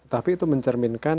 tapi itu mencerminkan